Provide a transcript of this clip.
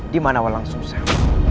dimana walang susah